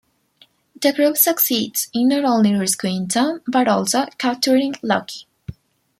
The group succeeds in not only rescuing Tom, but also capturing Loki.